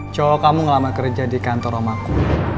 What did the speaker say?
cowok kamu ngelama kerja di kantor om aku